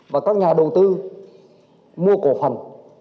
và các nhà đầu tư mua cổ phần